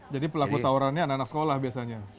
jadi pelaku tauran ini anak anak sekolah biasanya